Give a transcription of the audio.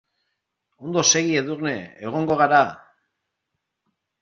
Ondo segi Edurne, egongo gara.